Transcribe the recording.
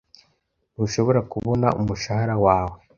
Ntushobora kubona umushahara wawe?